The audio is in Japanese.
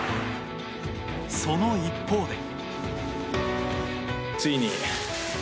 その一方で。